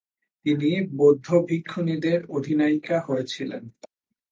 তিনি বৌদ্ধ ভিক্ষুণীদের অধিনায়িকা হয়েছিলেন।